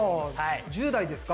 １０代ですか。